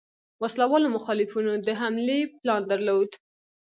وسله والو مخالفینو د حملې پلان درلود.